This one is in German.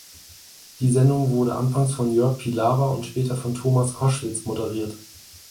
Die Sendung wurde anfangs von Jörg Pilawa und später von Thomas Koschwitz moderiert.